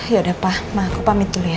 yaudah pak ma aku pamit dulu ya